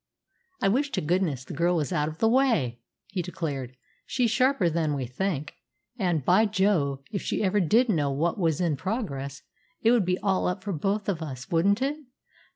"I wish to goodness the girl was out of the way!" he declared. "She's sharper than we think, and, by Jove! if ever she did know what was in progress it would be all up for both of us wouldn't it?